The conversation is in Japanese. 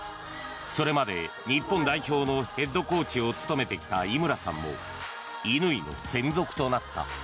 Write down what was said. それまで日本代表のヘッドコーチを務めてきた井村さんも乾の専属となった。